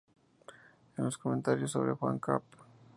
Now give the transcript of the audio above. En los comentarios sobre Juan cap.